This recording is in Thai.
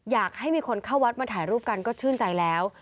อยากให้มีคนเข้าวัดมาถ่ายรูปกันก็ชื่นใจแล้ว